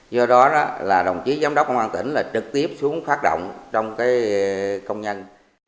do đó là đồng chí giám đốc công an tỉnh là trực tiếp xuống phát động trong công nhân